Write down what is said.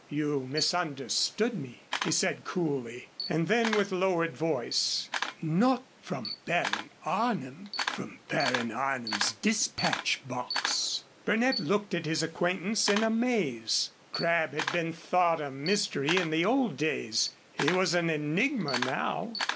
"You misunderstood me," he said, coolly; and then, with lowered voice: "Not from Baron Arnim from Baron Arnim's dispatch box." Burnett looked at his acquaintance in a maze. Crabb had been thought a mystery in the old days. He was an enigma now.